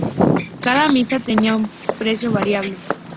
Cada misa tenía un precio variable.